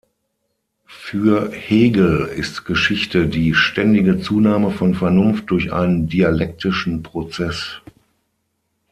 Für Hegel ist Geschichte die ständige Zunahme von Vernunft durch einen dialektischen Prozess.